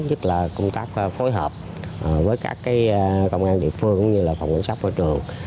nhất là công tác phối hợp với các công an địa phương cũng như là phòng cảnh sát môi trường